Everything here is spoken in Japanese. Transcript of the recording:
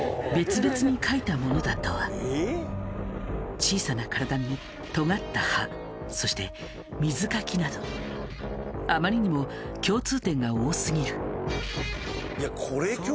小さな体にとがった歯そして水かきなどあまりにも共通点が多すぎる。